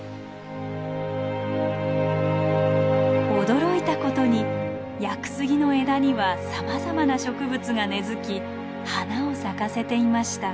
驚いたことに屋久杉の枝にはさまざまな植物が根づき花を咲かせていました。